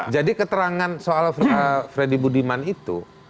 jadi keterangan soal freddy budiman itu